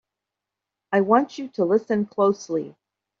I want you to listen closely!